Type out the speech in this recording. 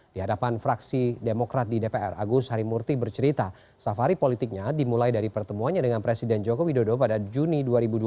di hadapan fraksi demokrat di dpr agus harimurti bercerita safari politiknya dimulai dari pertemuannya dengan presiden joko widodo pada juni dua ribu dua puluh